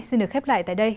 xin được khép lại tại đây